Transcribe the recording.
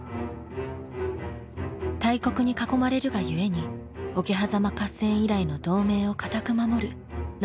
大国に囲まれるがゆえに桶狭間合戦以来の同盟を堅く守る信長と家康。